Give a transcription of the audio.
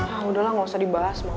ah udahlah gak usah dibahas maus maus gue